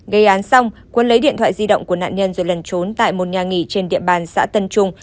gây án xong quân lấy điện thoại di động của nạn nhân rồi lần trốn tại một nhà nghỉ trên địa bàn xã tân trung